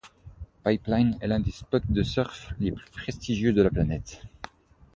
Pipeline est l'un des spots de surf les plus prestigieux de la planète.